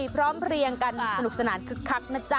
พร้อมเพลียงกันสนุกสนานคึกคักนะจ๊ะ